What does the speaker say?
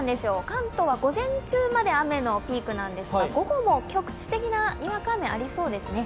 関東は午前中まで雨のピークなんですが午後も局地的なにわか雨ありそうですね。